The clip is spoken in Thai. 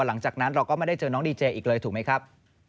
หลังจากนั้นเราก็ไม่ได้เจอน้องดีเจอีกเลยถูกไหมครับ